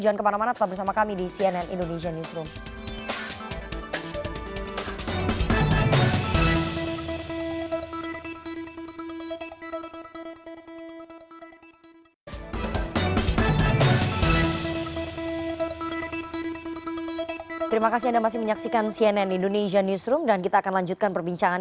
jangan kemana mana tetap bersama kami di cnn indonesia news